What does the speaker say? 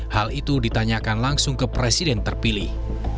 hal itu ditanyakan langsung ke presiden terpilih